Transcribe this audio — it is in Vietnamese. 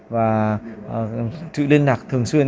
và sự liên lạc thường xuyên